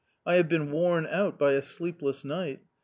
I have been worn out by a sleepless night.